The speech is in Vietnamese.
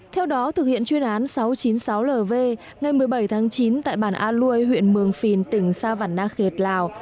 theo đó thực hiện chuyên án sáu trăm chín mươi sáu lv ngày một mươi bảy tháng chín tại bản a lui huyện mường phìn tỉnh sa văn na khệt lào